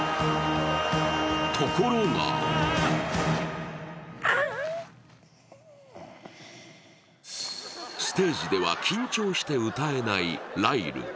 ところがステージでは緊張して歌えないライル。